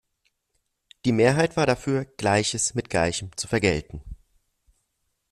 Die Mehrheit war dafür, Gleiches mit Gleichem zu vergelten.